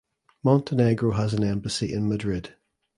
Montenegro has an embassy in Madrid.